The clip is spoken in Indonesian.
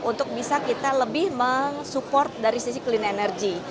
untuk bisa kita lebih mensupport dari sisi clean energy